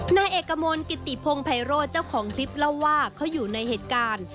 นายเอกมลกิติพงภัยโรธเจ้าของคลิปเล่าว่าเขาอยู่ในเหตุการณ์